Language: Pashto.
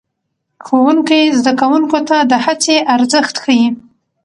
ښوونکی زده کوونکو ته د هڅې ارزښت ښيي